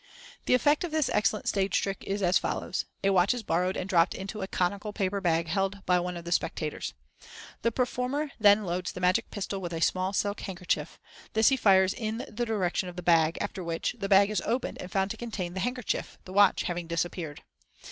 —The effect of this excellent stage trick is as follows: A watch is borrowed and dropped into a conical paper bag held by one of the spectators. The performer then loads the magic pistol with a small silk handkerchief; this he fires in the direction of the bag, after which the bag is opened and found to contain the handkerchief, the watch having disappeared.